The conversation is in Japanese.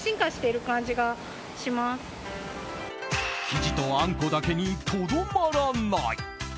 生地とあんこだけにとどまらない